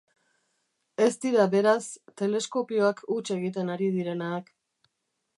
Ez dira, beraz, teleskopioak huts egiten ari direnak...